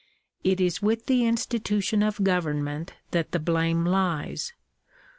It is with the institution of government that the blame lies.